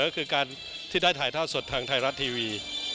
เป็นการที่ได้ถ่ายท่าสดทางไทยรัตน์ทีวี